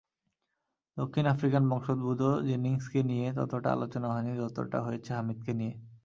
দক্ষিণ আফ্রিকান বংশোদ্ভূত জেনিংসকে নিয়ে ততটা আলোচনা হয়নি, যতটা হয়েছে হামিদকে নিয়ে।